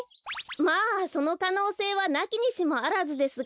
まあそのかのうせいはなきにしもあらずですが。